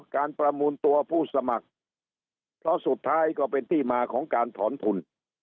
การประมูลตัวผู้สมัครเพราะสุดท้ายก็เป็นที่มาของการถอนทุน